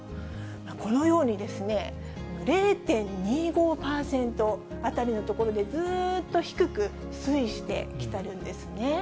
このようにですね、０．２５％辺りの所でずっと低く推移してきてるんですね。